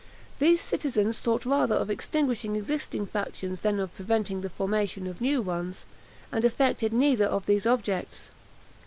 These citizens thought rather of extinguishing existing factions than of preventing the formation of new ones, and effected neither of these objects.